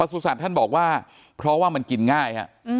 ประสุทธิ์สัตว์ท่านบอกว่ามันกินง่าย